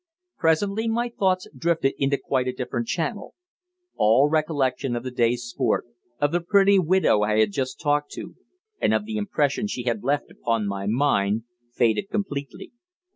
Presently my thoughts drifted into quite a different channel. All recollection of the day's sport, of the pretty widow I had just talked to, and of the impression she had left upon my mind, faded completely.